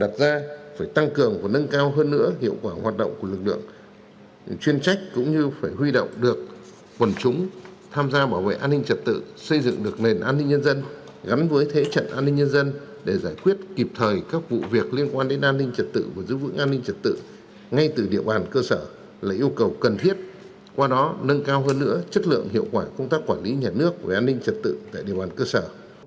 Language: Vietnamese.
tìm ẩn nhiều yếu tố phức tạp với nhiều vấn đề mới nảy sinh đã đặt ra yêu cầu phải tăng cường và nâng cao hơn nữa chất lượng hiệu quả công tác quản lý nhà nước về an ninh trật tự tại địa bàn cơ sở